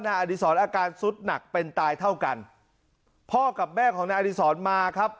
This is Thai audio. อดีศรอาการสุดหนักเป็นตายเท่ากันพ่อกับแม่ของนายอดีศรมาครับ